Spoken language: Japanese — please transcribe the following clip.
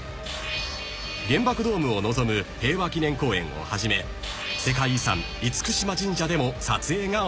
［原爆ドームを望む平和記念公園をはじめ世界遺産嚴島神社でも撮影が行われた］